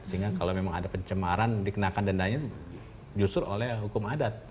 sehingga kalau memang ada pencemaran dikenakan dendanya justru oleh hukum adat